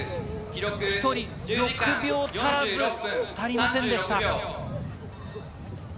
１人６秒足らず、足りませんでした。